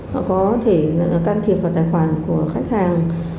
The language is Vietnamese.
họ có thể can thiệp vào tài khoản của khách hàng